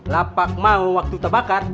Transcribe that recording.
lapak mau waktu terbakar